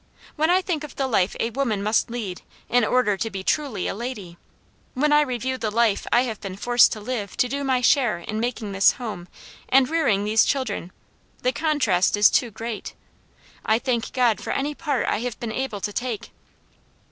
When I think of the life a woman must lead in order to be truly a lady, when I review the life I have been forced to live to do my share in making this home, and rearing these children, the contrast is too great. I thank God for any part I have been able to take.